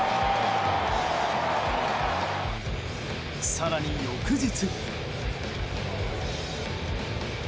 更に翌日。